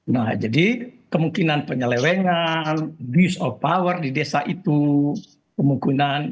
nah jadi kemungkinan penyelewengan abuse of power di desa itu kemungkinan